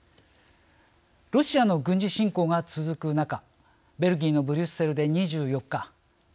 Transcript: ロシアの軍事侵攻が続く中ベルギーのブリュッセルで２４日